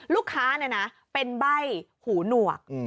ลูกค้าเป็นใบ้หูหนวก